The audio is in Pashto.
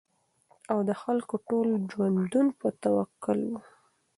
او د خلکو ټول ژوندون په توکل وو